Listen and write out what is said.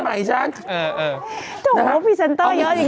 ไหนต่อ